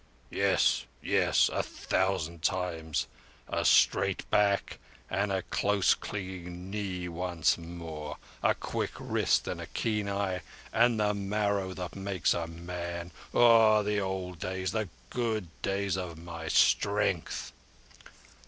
"Yes—yes—a thousand times! A straight back and a close clinging knee once more; a quick wrist and a keen eye; and the marrow that makes a man. Oh, the old days—the good days of my strength!"